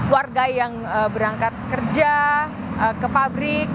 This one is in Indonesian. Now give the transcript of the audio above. warga yang berangkat kerja ke pabrik